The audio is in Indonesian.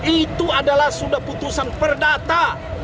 itu adalah sudah putusan perdata